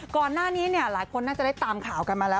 ก่อนหน้านี้เนี่ยหลายคนน่าจะได้ตามข่าวกันมาแล้ว